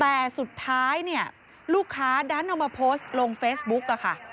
แต่สุดท้ายเนี่ยลูกค้าดันเอามาโพสต์ลงเฟซบุ๊กอะค่ะ